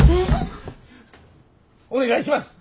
お願いします！